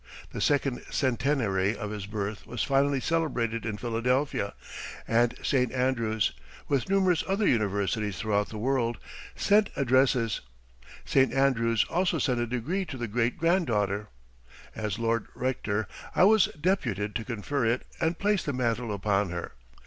The second centenary of his birth was finely celebrated in Philadelphia, and St. Andrews, with numerous other universities throughout the world, sent addresses. St. Andrews also sent a degree to the great granddaughter. As Lord Rector, I was deputed to confer it and place the mantle upon her.